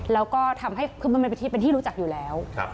แล้วก็ทำให้คือมันเป็นที่รู้จักอยู่แล้ว